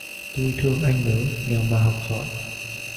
Tui thương anh nớ, nghèo mà học giỏi